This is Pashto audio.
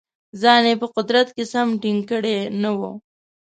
ځان یې په قدرت کې سم ټینګ کړی نه وو.